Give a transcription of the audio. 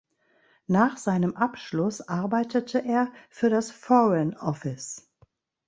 Nach seinem Abschluss arbeitete er für das Foreign Office.